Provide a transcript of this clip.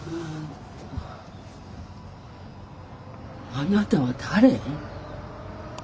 あなたは誰？